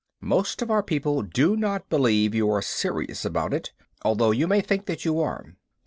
"Most of our people do not believe you are serious about it, although you may think that you are.